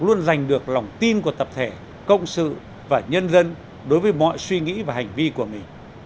luôn giành được lòng tin của tập thể cộng sự và nhân dân đối với mọi suy nghĩ và hành vi của mình